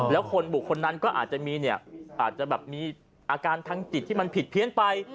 แล้วคนบุคคนนั้นก็อาจจะมีอาการทางจิตที่มันผิดเพี้ยนไป